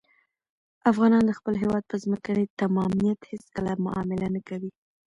افغانان د خپل هېواد په ځمکنۍ تمامیت هېڅکله معامله نه کوي.